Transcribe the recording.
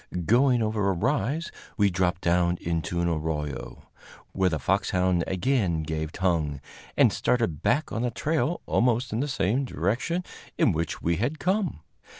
Going over a rise, we dropped down into an arroyo, where the foxhound again gave tongue, and started back on the trail almost in the same direction in which we had come.